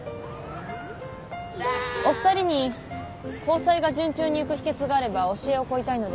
お二人に交際が順調にゆく秘訣があれば教えを請いたいのですが。